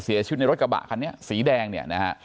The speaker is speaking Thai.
เสียชีวิตในรถกระบะคันนี้สีแดงเนี่ยนะฮะ